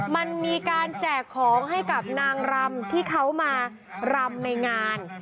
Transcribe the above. มันมีการแจกของให้กับนางรำที่เขามารำในงาน